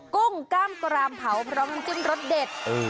กุ้งกล้ามกรามเผาพร้อมน้ำจิ้มรสเด็ด